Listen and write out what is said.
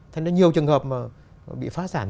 thế nên nhiều trường hợp bị phá sản